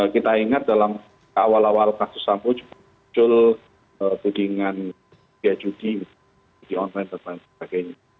kita ingat dalam awal awal kasus sampo juga muncul tudingan diajudi di online dan lain sebagainya